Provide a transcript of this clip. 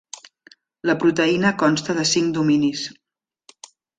La proteïna consta de cinc dominis.